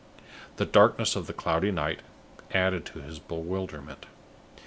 The darkness of the cloudy night added to his bewilderment.